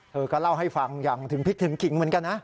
เธอก็เล่าให้ฟังอย่างถึงพิกถึงขิงเหมือนกันนะ